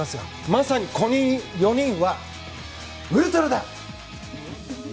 まさに４人はウルトラだ！